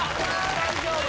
大丈夫！